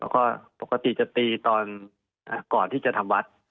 แล้วก็ปกติจะตีก่อนที่จะทำวัฒน์